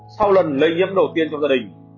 sau lần lây nhiễm đầu tiên trong gia đình